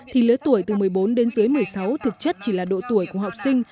thì lứa tuổi từ một mươi bốn đến dưới một mươi sáu thực chất chỉ là độ tuổi của học sinh